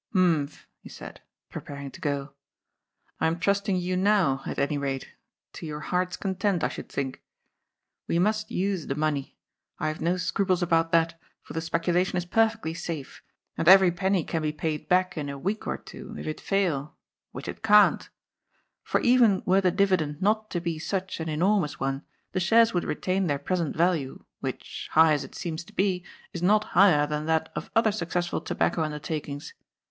" Humph," he said, preparing to go. " I am trusting you now, at any rate, — to your heart's content, I should think. We must use the money ; I have no scruples about that, for the speculation is perfectly safe, and every penny can be paid back in a week or two, if it fail — which it can't. For even were the dividend not to be such an enormous one, the shares would retain their present value, which, high as it seems to be, is not higher than that of other successful tobacco undertakings.